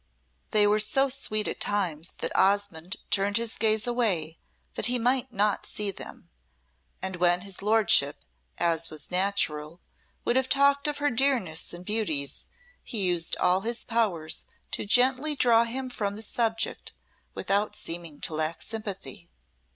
They were so sweet at times that Osmonde turned his gaze away that he might not see them, and when his Lordship, as was natural, would have talked of her dearness and beauties, he used all his powers to gently draw him from the subject without seeming to lack sympathy.